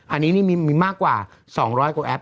อันนี้นี่มีมากกว่า๒๐๐กว่าแป๊